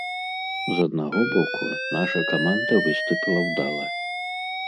З аднаго боку, наша каманда выступіла ўдала.